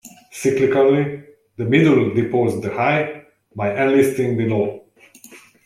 Cyclically, the Middle deposed the High, by enlisting the Low.